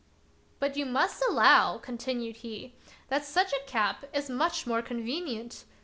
" But you must allow," continued he, " that such a cap is much more convenient.